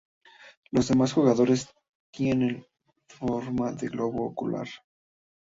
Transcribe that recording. Los demás jugadores tienen forma de globo ocular.